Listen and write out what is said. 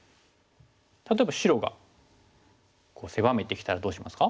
例えば白がこう狭めてきたらどうしますか？